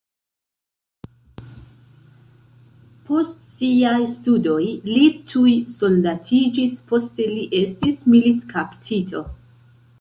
Post siaj studoj li tuj soldatiĝis, poste li estis militkaptito.